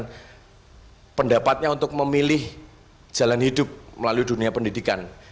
dan pendapatnya untuk memilih jalan hidup melalui dunia pendidikan